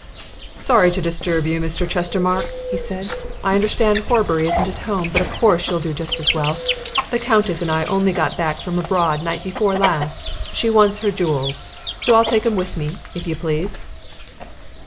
"Sorry to disturb you, Mr. Chestermarke," he said. "I understand Horbury isn't at home, but of course you'll do just as well. The Countess and I only got back from abroad night before last. She wants her jewels, so I'll take 'em with me, if you please."